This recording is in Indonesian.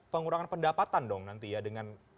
pengurangan pendapatan dong nanti ya dengan